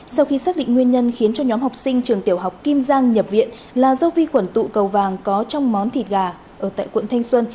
sau khi xác định nguyên nhân khiến cho nhóm học sinh trường tiểu học kim giang nhập viện là do vi khuẩn tụ cầu vàng có trong món thịt gà ở tại quận thanh xuân